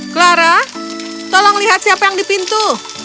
clara tolong lihat siapa yang di pintu